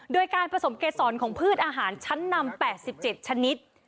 โดยการผสมเกษรของพืชอาหารชั้นนำ๘๗ชนิด